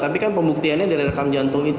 tapi kan pembuktiannya dari rekam jantung itu